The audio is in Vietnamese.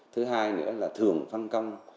thứ hai nữa là thường phân công